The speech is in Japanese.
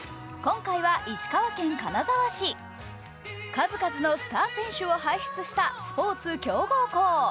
数々のスター選手を輩出したスポーツ強豪校。